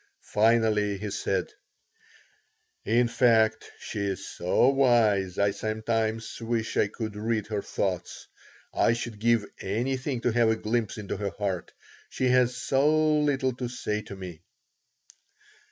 Finally he said: "In fact, she is so wise I sometimes wish I could read her thoughts. I should give anything to have a glimpse into her heart. She has so little to say to me.